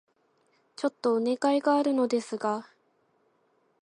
ちょっとお願いがあるのですが...